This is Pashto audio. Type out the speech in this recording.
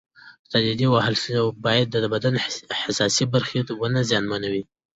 تاديبي وهل باید د بدن حساسې برخې ونه زیانمنوي.